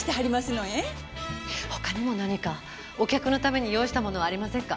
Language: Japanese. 他にも何かお客のために用意した物はありませんか？